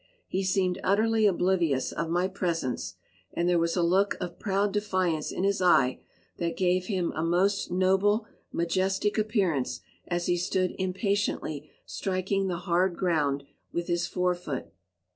He seemed utterly oblivious of my presence; and there was a look of proud defiance in his eye that gave him a most noble, majestic appearance as he stood impatiently striking the hard ground with his fore foot.